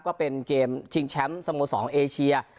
ก็เป็นเกมชิงแชมป์สโมสรเอเชีย